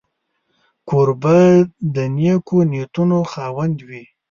کوربه د نېکو نیتونو خاوند وي.